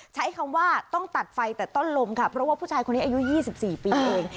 ใช้คำว่าต้องตัดไฟแต่ต้นลมค่ะเพราะว่าผู้ชายคนนี้อายุ๒๔ปีเอง